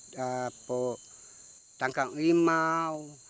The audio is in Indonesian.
yang tangkap limau